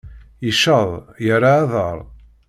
Yecceḍ, yerra aḍar.